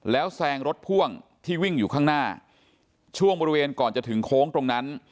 แล้วแซงรถพ่วงที่วิ่งอยู่ข้างหน้าช่วงบริเวณก่อนจะถึงโค้งตรงนั้น